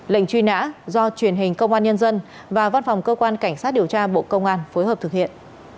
lệnh truy nã do truyền hình công an nhân dân và văn phòng cơ quan cảnh sát điều tra bộ công an phối hợp thực hiện